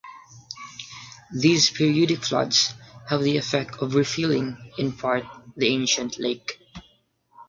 These periodic floods have the effect of refilling, in part, the ancient lake.